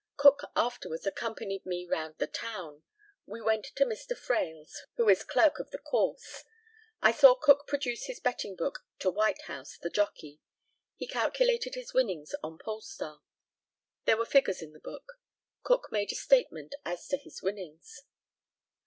Cook afterwards accompanied me round the town. We went to Mr. Fraill's, who is clerk of the course. I saw Cook produce his betting book to Whitehouse, the jockey. He calculated his winnings on Polestar. There were figures in the book. Cook made a statement as to his winnings.